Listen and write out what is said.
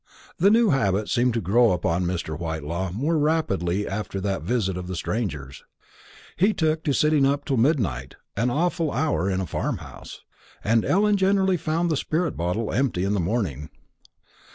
The new habit seemed to grow upon Mr. Whitelaw more rapidly after that visit of the stranger's. He took to sitting up till midnight an awful hour in a farm house; and Ellen generally found the spirit bottle empty in the morning.